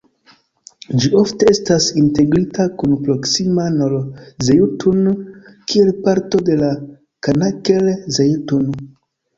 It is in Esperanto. Ĝi ofte estas integrita kun proksima Nor-Zejtun kiel parto de Kanaker-Zejtun.